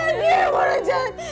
bukan dia yang nganjur